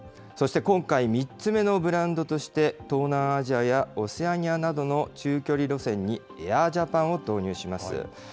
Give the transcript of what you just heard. そして、今回３つ目のブランドとして、東南アジアやオセアニアなどの中距離路線にエアージャパンを投入します。